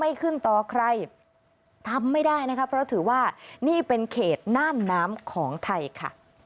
ขึ้นต่อใครทำไม่ได้นะคะเพราะถือว่านี่เป็นเขตน่านน้ำของไทยค่ะ